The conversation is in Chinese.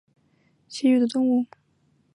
和平南海溪蟹为溪蟹科南海溪蟹属的动物。